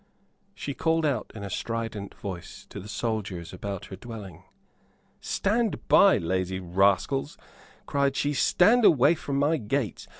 She called out in a strident voice to the soldiers about her dwelling. "Stand by, lazy rascals," cried she, "stand away from my gates.